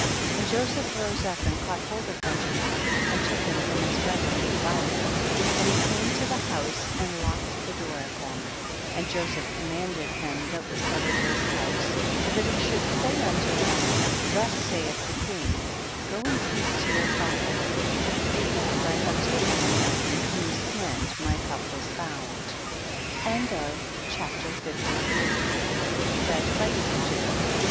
32. And Joseph rose up and caught hold of Benjannn and took him from his brethren with violence, and he came to the house and locked the door at them, and Joseph commanded him that was set over his house that he should say unto them, thus saith the king, go in peace to your father, behold I have taken the man in whose hand my cup was